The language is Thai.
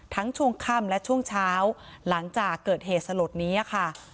ช่วงค่ำและช่วงเช้าหลังจากเกิดเหตุสลดนี้ค่ะ